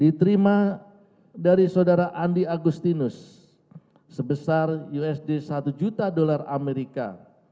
diterima dari saudara andi agustinus sebesar usd satu juta dolar amerika